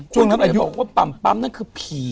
คุณเดี๋ยวบอกว่าปั่มนั่นคือผี